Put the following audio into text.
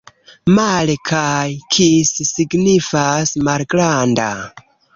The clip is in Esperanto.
Male kaj kis signifas: malgranda.